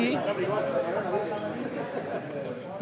ini luar biasa sekali